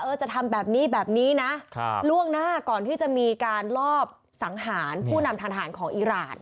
จะทำแบบนี้แบบนี้นะล่วงหน้าก่อนที่จะมีการลอบสังหารผู้นำทหารของอีราน